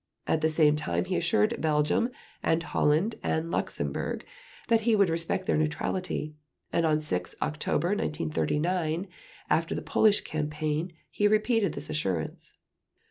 At the same time he assured Belgium and Holland and Luxembourg that he would respect their neutrality; and on 6 October 1939, after the Polish campaign, he repeated this assurance.